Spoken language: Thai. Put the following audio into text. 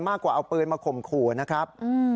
มากกว่าเอาปืนมาข่มขู่นะครับ